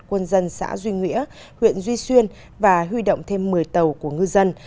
quân dân xã duy nghĩa huyện duy xuyên và huy động thêm một mươi tàu của ngư dân